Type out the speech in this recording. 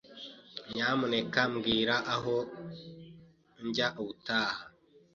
Nyamuneka mbwira aho njya ubutaha.